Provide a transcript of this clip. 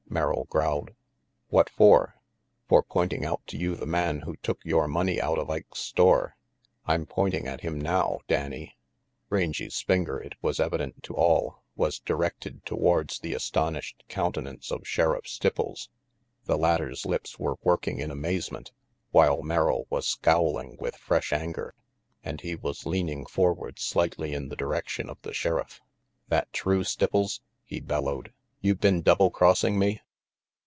Merrill growled. "What for?" "For pointing out to you the man who took yore money out of Ike's store. I'm pointing at him now, Danny." Rangy 's> finger, it was 'evident to all, was directed towards the astonished countenance of Sheriff Stipples. The latter's lips were working in amaze ment, while Merrill was scowling with fresh anger, and he was leaning forward slightly in the direction of the sheriff. "That true, Stipples?" he bellowed. "You been double crossing me?"